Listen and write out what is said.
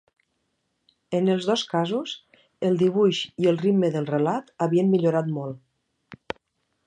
En els dos casos, el dibuix i el ritme del relat havien millorat molt.